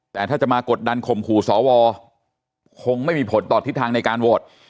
แต่ถ้าจะมากดดันข่มขู่สวคงไม่มีผลต่อทิศทางในการโหวต